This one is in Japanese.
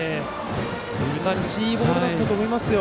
難しいボールだったと思いますよ。